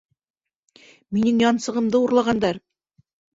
Минең янсығымды урлағандар